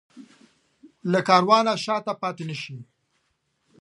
له کاروانه شاته پاتې نه شي.